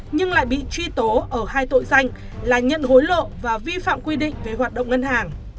nhưng lại bị truy tố ở hai tội danh là nhận hối lộ và vi phạm quy định về hoạt động ngân hàng